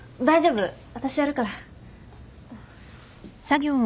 私やるから。